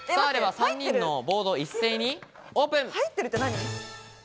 ３人のボードを一斉にオープン！